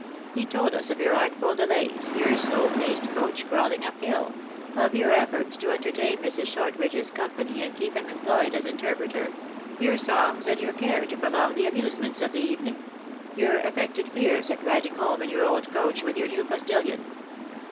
He told us of your artful delays, your slow paced coach crawling up hill ; of your efforts to en tertain Mrs. Shortridge s company, and keep him em ployed as interpreter; your songs and your care to 396 THE ACTKESS IN HIGH LIFE. prolong the amusements of the evening ; your affect ed fears at riding home in your old coach with your new postillion.